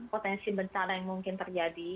potensi bencana yang mungkin terjadi